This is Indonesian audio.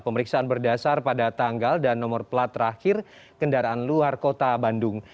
pemeriksaan berdasar pada tanggal dan nomor plat terakhir kendaraan luar kota bandung